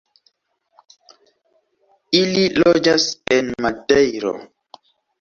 Ili loĝas en Madejro.